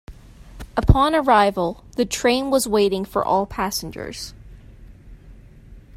Upon arrival, the train was waiting for all passengers.